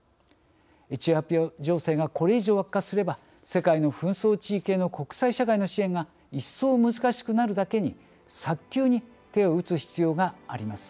エチオピア情勢がこれ以上悪化すれば世界の紛争地域への国際社会の支援が一層難しくなるだけに早急に手を打つ必要があります。